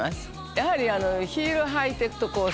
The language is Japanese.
やはり。